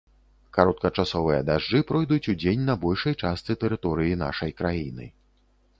Кароткачасовыя дажджы пройдуць удзень на большай частцы тэрыторыі нашай краіны.